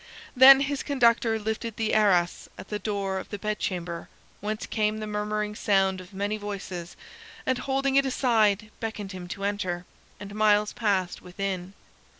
Then his conductor lifted the arras at the door of the bedchamber, whence came the murmuring sound of many voices, and holding it aside, beckoned him to enter, and Myles passed within.